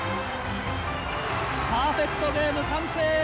パーフェクトゲーム完成！